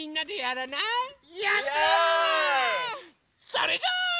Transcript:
それじゃあ。